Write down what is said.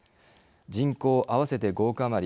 人口合わせて５億余り。